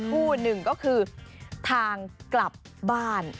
คู่หนึ่งก็คือทางกลับบ้าน